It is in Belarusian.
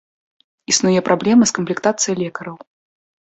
Існуе праблема з камплектацыяй лекараў.